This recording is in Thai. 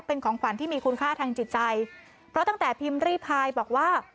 เป็นของขวัญที่มีคุณค่าทางจิตใจเพราะตั้งแต่พิมพ์รีพายบอกว่า